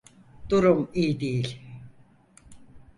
Durum iyi değil.